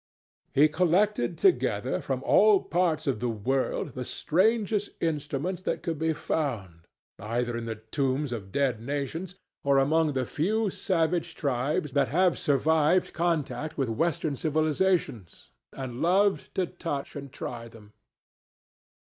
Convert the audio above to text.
He collected together from all parts of the world the strangest instruments that could be found, either in the tombs of dead nations or among the few savage tribes that have survived contact with Western civilizations, and loved to touch and try them.